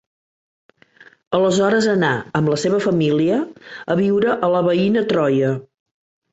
Aleshores anà, amb la seva família, a viure a la veïna Troia.